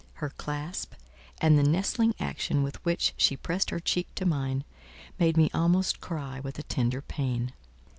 Her clasp, and the nestling action with which she pressed her cheek to mine, made me almost cry with a tender pain.